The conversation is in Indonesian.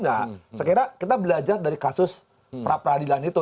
nah sekiranya kita belajar dari kasus peradilan itu